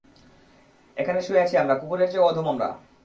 এখানে শুয়ে আছি আমরা, কুকুরের চেয়েও অধম আমরা।